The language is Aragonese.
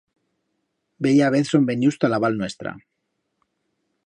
Bella vez son venius ta la val nuestra